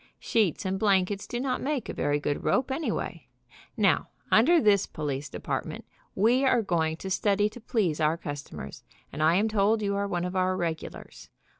Sheets and blankets do not make a very good rope, anyway. Now, under this police depart ment we are going to study to please our customers, and I am told you are one of our regulars.